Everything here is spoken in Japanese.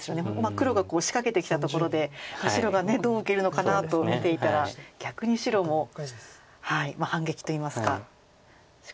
黒が仕掛けてきたところで白がどう受けるのかなと見ていたら逆に白も反撃といいますか仕掛け返して。